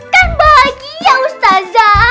kan bahagia ustadzah